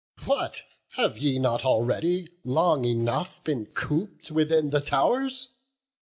What? have ye not already long enough Been coop'd within the tow'rs?